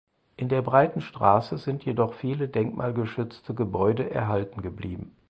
In der Breiten Straße sind jedoch viele denkmalgeschützte Gebäude erhalten geblieben.